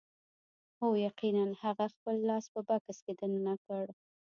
هو یقیناً هغه خپل لاس په بکس کې دننه کړ